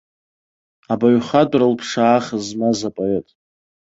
Абаҩхатәра лԥшаах змаз апоет.